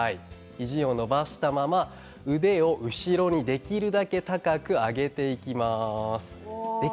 肘を伸ばしたまま、腕を後ろにできるだけ高く上げていきます。